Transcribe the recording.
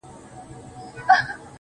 د باميان د غره کمره! زمزمه کړم